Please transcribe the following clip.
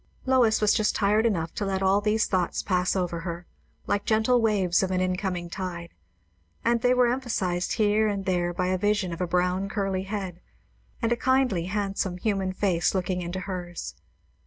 Lois was just tired enough to let all these thoughts pass over her, like gentle waves of an incoming tide, and they were emphazised here and there by a vision of a brown curly head, and a kindly, handsome, human face looking into hers.